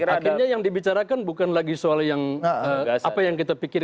akhirnya yang dibicarakan bukan lagi soal yang apa yang kita pikirkan